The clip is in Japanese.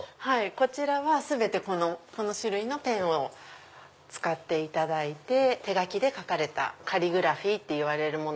こちらは全てこの種類のペンを使っていただいて手書きで書かれたカリグラフィーっていわれるもの。